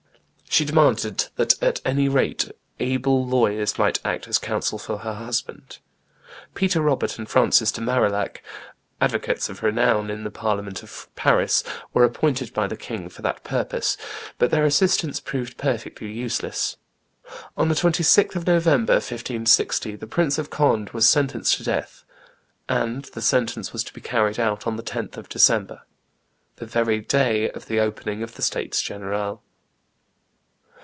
] She demanded that at any rate able lawyers might act as counsel for her husband. Peter Robert and Francis de Marillac, advocates of renown in the Parliament of Paris, were appointed by the king for that purpose, but their assistance proved perfectly useless; on the 26th of November, 1560, the Prince of Conde was sentenced to death; and the sentence was to be carried out on the 10th of December, the very day of the opening of the states general.